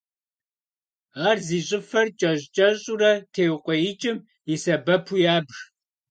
Ар зи щӏыфэр кӏэщӏ-кӏэщӏурэ теукъуеикӏым и сэбэпу ябж.